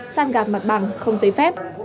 săn gạp mặt bằng không giấy phép